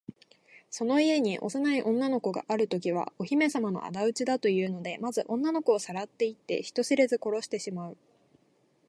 その家に幼い女の子があるときは、お姫さまのあだ討ちだというので、まず女の子をさらっていって、人知れず殺してしまう。